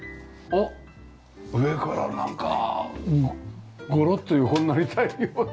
おっ上からなんかゴロっと横になりたいような。